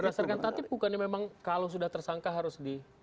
berdasarkan tadi bukan memang kalau sudah tersangka harus di